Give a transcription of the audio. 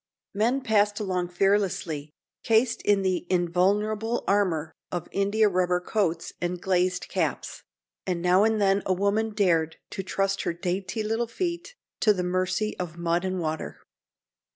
Men passed along fearlessly, cased in the invulnerable armor of India rubber coats and glazed caps, and now and then a woman dared to trust her dainty little feet to the mercy of mud and water.